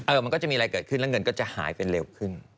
มันก็จะมีอะไรเกิดขึ้นแล้วเงินก็จะหายไปเร็วขึ้น